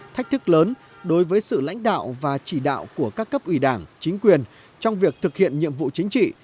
thách thức lớn đối với sự lãnh đạo và chỉ đạo của các cấp ủy đảng chính quyền trong việc thực hiện nhiệm vụ chính trị